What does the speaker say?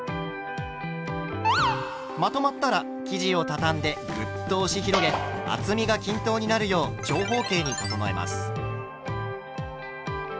まとまったら生地をたたんでグッと押し広げ厚みが均等になるよう長方形に整えます。